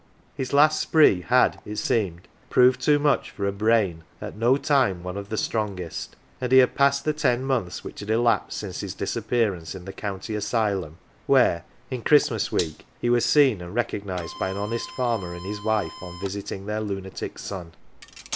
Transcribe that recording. His last "spree" had, it seemed, proved too much for a brain at no time one of the strongest, and he had passed the ten months which had elapsed since his disappearance in the county asylum, where, in Christmas week, he was seen and recognised by an honest farmer and his wife on visiting their lunatic son.